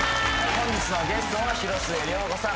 本日のゲストは広末涼子さん